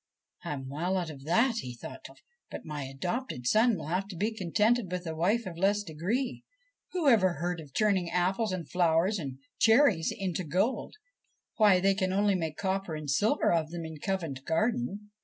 ' I am well out of that,' he thought to himself; ' but my adopted son will have to be contented with a wife of less degree. Who ever heard of turning apples and flowers and cherries into gold ? Why, they can only make copper and silver of them in Covent Garden.'